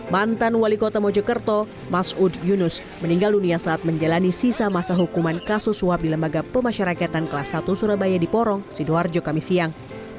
mantan wali kota mojokerto mas ud yunus meninggal dunia saat menjalani sisa masa hukuman kasus suap di lembaga pemasyarakatan kelas satu surabaya di porong sidoarjo kami siang